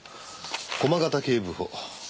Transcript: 駒形警部補。